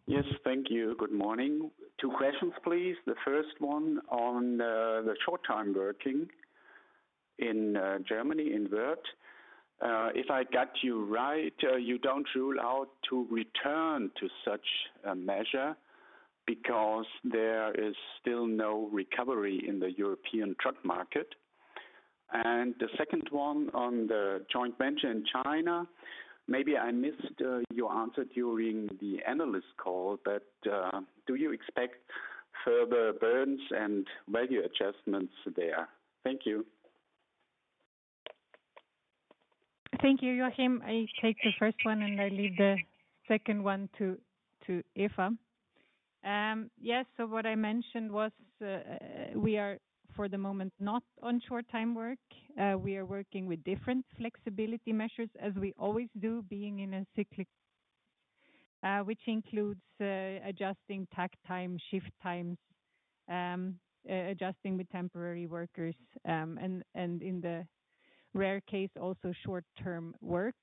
Yes, thank you. Good morning. Two questions, please. The first one on the short-time work in Germany, in Wörth. If I got you right, you don't rule out to return to such a measure because there is still no recovery in the European truck market, and the second one on the joint venture in China. Maybe I missed your answer during the analyst call, but do you expect further burns and value adjustments there? Thank you. Thank you, Joachim. I take the first one, and I leave the second one to Eva. Yes, so what I mentioned was we are for the moment not on short-time work. We are working with different flexibility measures, as we always do, being in a cyclical, which includes adjusting takt time, shift times, adjusting with temporary workers, and in the rare case, also short-time work.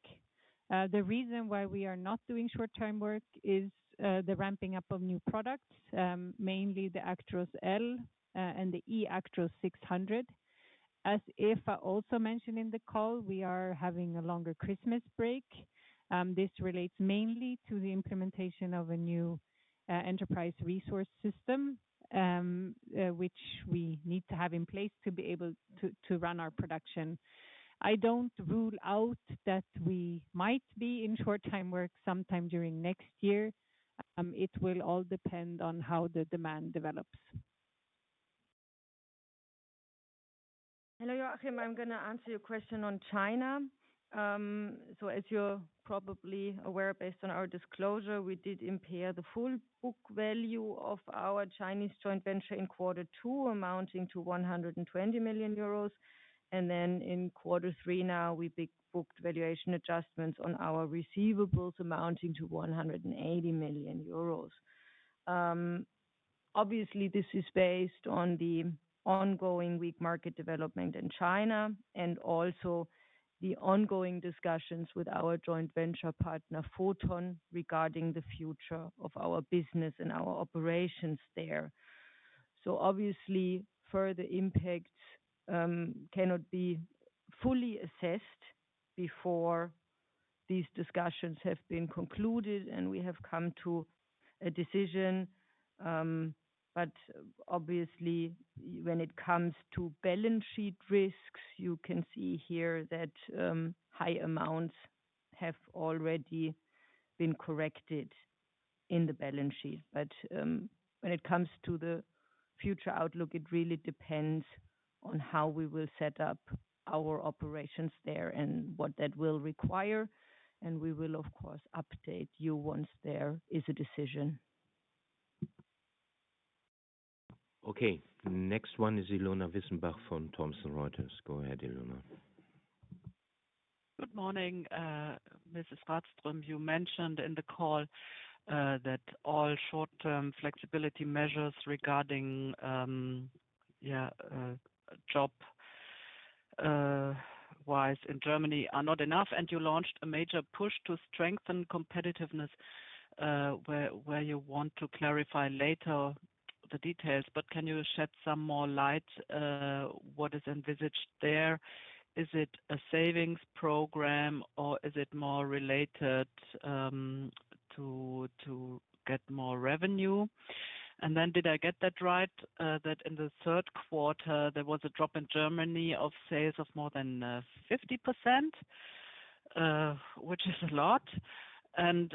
The reason why we are not doing short-term work is the ramping up of new products, mainly the Actros L and the eActros 600. As Eva also mentioned in the call, we are having a longer Christmas break. This relates mainly to the implementation of a new enterprise resource system, which we need to have in place to be able to run our production. I don't rule out that we might be in short-term work sometime during next year. It will all depend on how the demand develops. Hello, Joachim. I'm going to answer your question on China. So as you're probably aware, based on our disclosure, we did impair the full book value of our Chinese joint venture in quarter two, amounting to 120 million euros. And then in quarter three now, we booked valuation adjustments on our receivables, amounting to 180 million euros. Obviously, this is based on the ongoing weak market development in China and also the ongoing discussions with our joint venture partner, Foton, regarding the future of our business and our operations there, so obviously, further impacts cannot be fully assessed before these discussions have been concluded, and we have come to a decision. But obviously, when it comes to balance sheet risks, you can see here that high amounts have already been corrected in the balance sheet, but when it comes to the future outlook, it really depends on how we will set up our operations there and what that will require, and we will, of course, update you once there is a decision. Okay. Next one is Ilona Wissenbach from Thomson Reuters. Go ahead, Ilona. Good morning, Mrs. Rådström. You mentioned in the call that all short-term flexibility measures regarding job-wise in Germany are not enough, and you launched a major push to strengthen competitiveness, where you want to clarify later the details, but can you shed some more light on what is envisaged there? Is it a savings program, or is it more related to get more revenue? And then did I get that right that in the third quarter, there was a drop in Germany of sales of more than 50%, which is a lot, and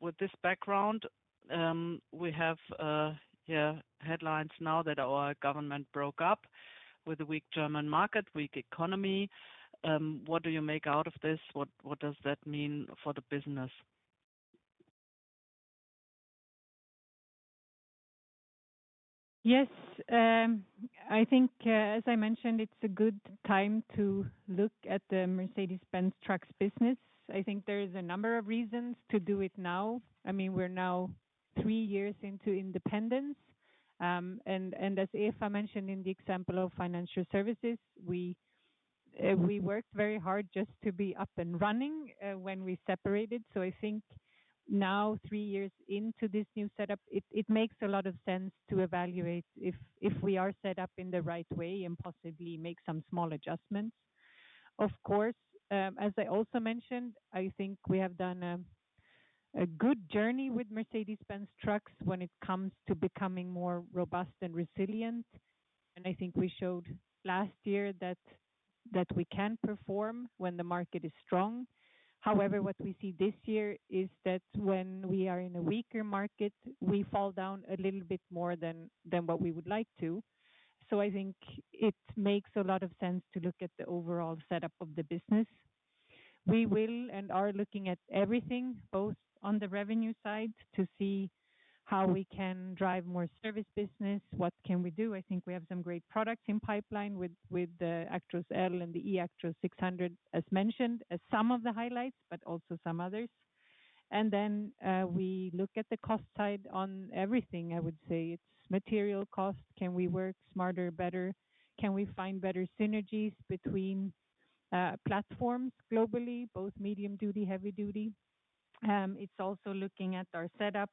with this background, we have headlines now that our government broke up with a weak German market, weak economy. What do you make out of this? What does that mean for the business? Yes. I think, as I mentioned, it's a good time to look at the Mercedes-Benz trucks business. I think there is a number of reasons to do it now. I mean, we're now three years into independence. And as Eva mentioned in the example of Financial Services, we worked very hard just to be up and running when we separated. So I think now, three years into this new setup, it makes a lot of sense to evaluate if we are set up in the right way and possibly make some small adjustments. Of course, as I also mentioned, I think we have done a good journey with Mercedes-Benz Trucks when it comes to becoming more robust and resilient. And I think we showed last year that we can perform when the market is strong. However, what we see this year is that when we are in a weaker market, we fall down a little bit more than what we would like to. So I think it makes a lot of sense to look at the overall setup of the business. We will and are looking at everything, both on the revenue side, to see how we can drive more service business, what can we do. I think we have some great products in pipeline with the Actros L and the eActros 600, as mentioned, as some of the highlights, but also some others. And then we look at the cost side on everything. I would say it's material cost. Can we work smarter, better? Can we find better synergies between platforms globally, both medium duty, heavy duty? It's also looking at our setup,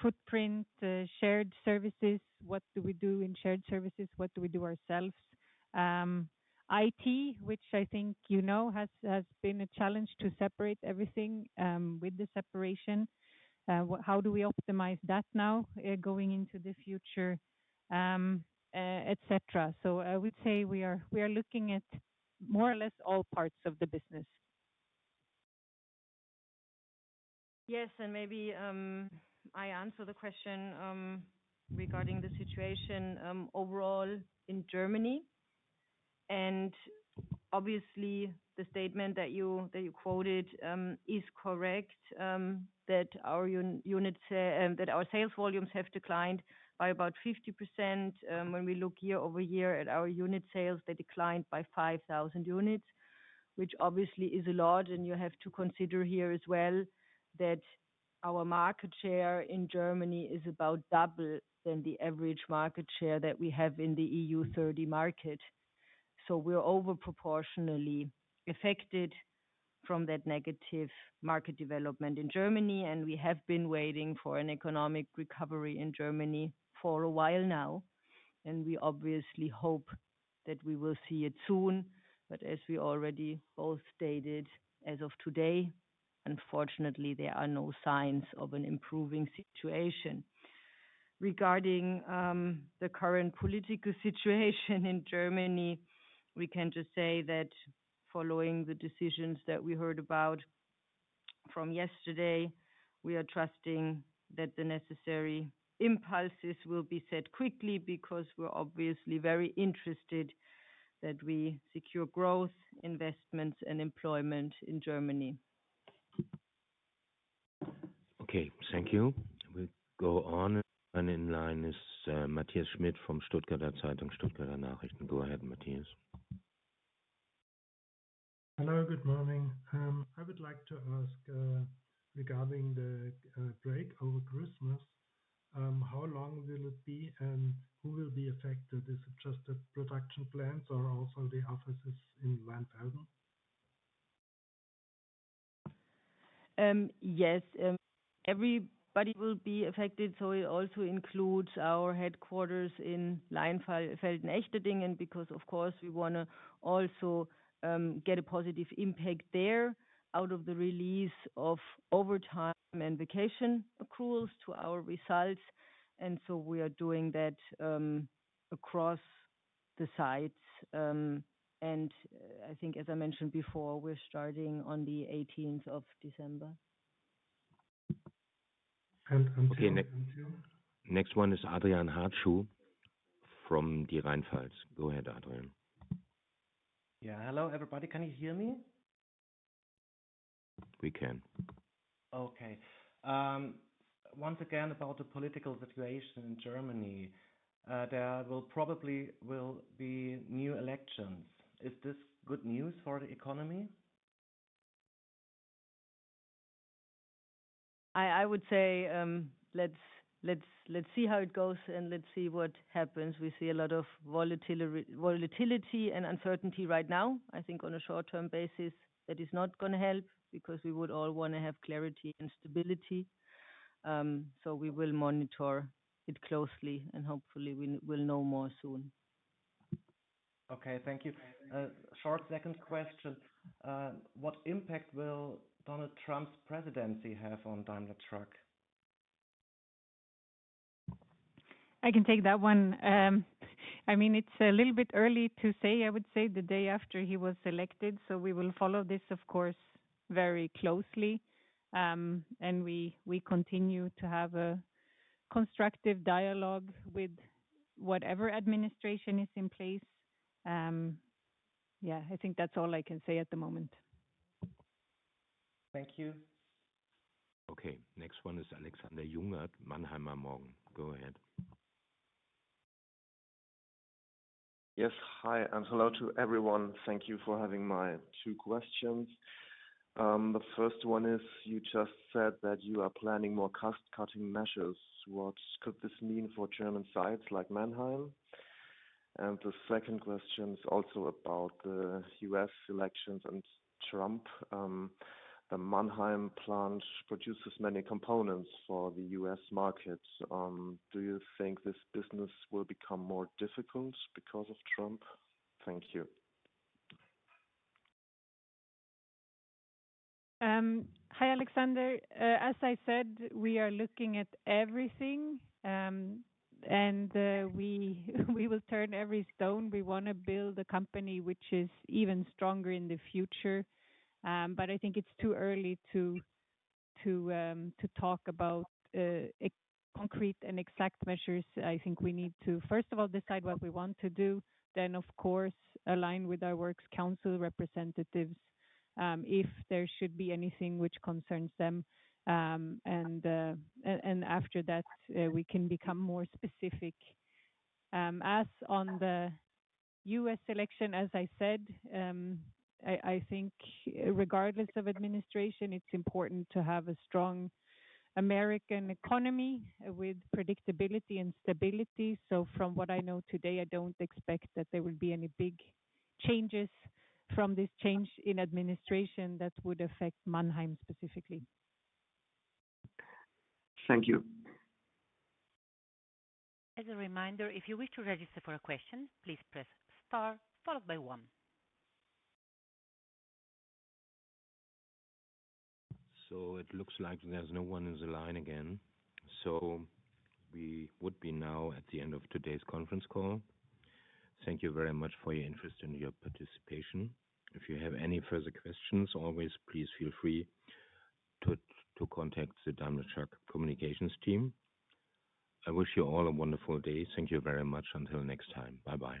footprint, shared services. What do we do in shared services? What do we do ourselves? IT, which I think you know, has been a challenge to separate everything with the separation. How do we optimize that now going into the future, etc.? So I would say we are looking at more or less all parts of the business. Yes. And maybe I answer the question regarding the situation overall in Germany. And obviously, the statement that you quoted is correct, that our sales volumes have declined by about 50%. When we look year-over-year at our unit sales, they declined by 5,000 units, which obviously is a lot. And you have to consider here as well that our market share in Germany is about double than the average market share that we have in the EU 30 market. So we're overproportionally affected from that negative market development in Germany. And we have been waiting for an economic recovery in Germany for a while now. And we obviously hope that we will see it soon. But as we already both stated, as of today, unfortunately, there are no signs of an improving situation. Regarding the current political situation in Germany, we can just say that following the decisions that we heard about from yesterday, we are trusting that the necessary impulses will be set quickly because we're obviously very interested that we secure growth, investments, and employment in Germany. Okay. Thank you. We go on. And in line is Matthias Schmidt from Stuttgarter Zeitung, Stuttgarter Nachrichten. Go ahead, Matthias. Hello. Good morning. I would like to ask regarding the break over Christmas. How long will it be and who will be affected? Is it just the production plants or also the offices in Leinfelden? Yes. Everybody will be affected. So it also includes our headquarters in Leinfelden-Echterdingen, because, of course, we want to also get a positive impact there out of the release of overtime and vacation accruals to our results. And so we are doing that across the sites. And I think, as I mentioned before, we're starting on the 18th of December. Okay. Next one is Adrian Hartschuh from Die Rheinpfalz. Go ahead, Adrian. Yeah. Hello, everybody. Can you hear me? We can. Okay. Once again, about the political situation in Germany, there will probably be new elections. Is this good news for the economy? I would say let's see how it goes and let's see what happens. We see a lot of volatility and uncertainty right now. I think on a short-term basis, that is not going to help because we would all want to have clarity and stability. So we will monitor it closely, and hopefully, we will know more soon. Okay. Thank you. Short second question. What impact will Donald Trump's presidency have on Daimler Truck? I can take that one. I mean, it's a little bit early to say. I would say the day after he was elected. So we will follow this, of course, very closely. And we continue to have a constructive dialogue with whatever administration is in place. Yeah, I think that's all I can say at the moment. Thank you. Okay. Next one is Alexander Jungert, Mannheimer Morgen. Go ahead. Yes. Hi. And hello to everyone. Thank you for having my two questions. The first one is you just said that you are planning more cutting measures. What could this mean for German sites like Mannheim? And the second question is also about the U.S. elections and Trump. The Mannheim plant produces many components for the U.S. market. Do you think this business will become more difficult because of Trump? Thank you. Hi, Alexander. As I said, we are looking at everything, and we will turn every stone. We want to build a company which is even stronger in the future. But I think it's too early to talk about concrete and exact measures. I think we need to, first of all, decide what we want to do, then, of course, align with our works council representatives if there should be anything which concerns them. And after that, we can become more specific. As on the U.S. election, as I said, I think regardless of administration, it's important to have a strong American economy with predictability and stability. So from what I know today, I don't expect that there would be any big changes from this change in administration that would affect Mannheim specifically. Thank you. As a reminder, if you wish to register for a question, please press star followed by one. So it looks like there's no one in the line again. So we would be now at the end of today's conference call. Thank you very much for your interest and your participation. If you have any further questions, always please feel free to contact the Daimler Truck communications team. I wish you all a wonderful day. Thank you very much. Until next time. Bye-bye.